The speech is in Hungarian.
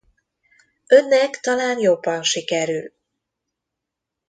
Önnek talán jobban sikerül!